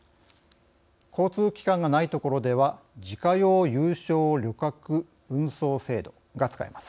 交通機関がないところでは「自家用有償旅客運送制度」が使えます。